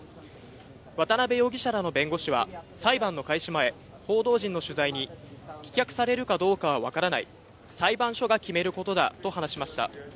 渡辺容疑者らの弁護士は裁判の開始前、報道陣の取材に、棄却されるかどうかはわからない、裁判所が決めることだと話しました。